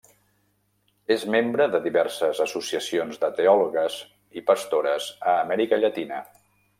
És membre de diverses associacions de teòlogues i pastores a Amèrica Llatina.